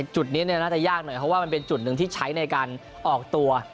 จุดนี้น่าจะยากหน่อยเพราะว่ามันเป็นจุดหนึ่งที่ใช้ในการออกตัว